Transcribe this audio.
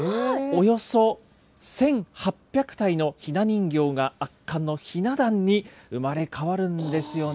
およそ１８００体のひな人形が圧巻のひな壇に生まれ変わるんですよね。